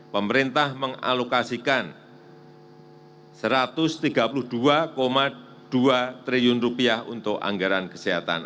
pemerintah mengalokasikan rp satu ratus tiga puluh dua dua triliun untuk anggaran kesehatan